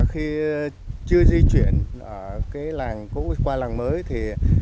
khi chưa di chuyển ở cái làng cũ qua làng mới thì